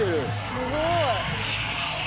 すごい。